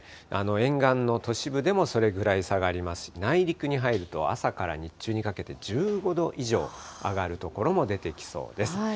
沿岸の都市部でもそれぐらい下がりますし、内陸に入ると、朝から日中にかけて１５度以上上がる所も出てきそうです。